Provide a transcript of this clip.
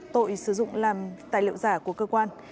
tội sử dụng làm tài liệu giả của cơ quan